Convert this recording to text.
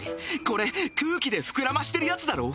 これ空気で膨らましてるやつだろ？